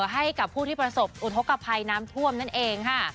ให้กับผู้ที่ประสบอุทธกภัยน้ำท่วมนั่นเองค่ะ